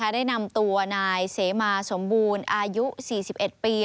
ได้นำตัวนายเสมาสมบูรณ์อายุ๔๑ปี